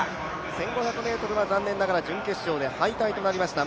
１５００ｍは残年ながら準決勝で敗退となりました。